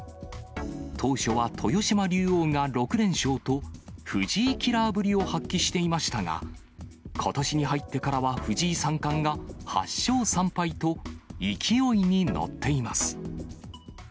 当初は豊島竜王が６連勝と、藤井キラーぶりを発揮していましたが、ことしに入ってからは、藤井三冠が８勝３敗と勢いに乗っています。